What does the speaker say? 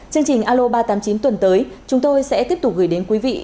chương trình alo ba trăm tám mươi chín tuần tới chúng tôi sẽ tiếp tục gửi đến quý vị